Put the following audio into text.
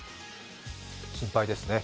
心配ですね。